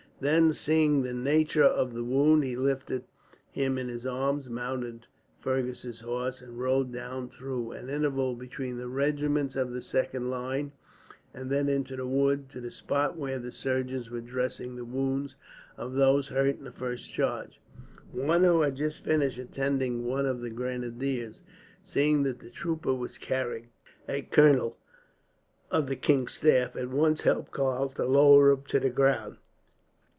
Then, seeing the nature of the wound, he lifted him in his arms, mounted Fergus's horse, and rode down through an interval between the regiments of the second line; and then into the wood, to the spot where the surgeons were dressing the wounds of those hurt in the first charge. One who had just finished attending one of the grenadiers, seeing that the trooper was carrying a colonel of the king's staff, at once helped Karl to lower him to the ground.